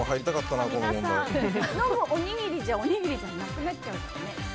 飲むおにぎりじゃおにぎりじゃなくなっちゃうよね。